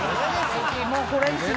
もうこれですね。